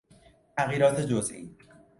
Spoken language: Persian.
تغییرات جزئی